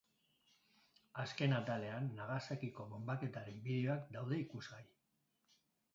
Azken atalean Nagasakiko bonbaketaren bideoak daude ikusgai.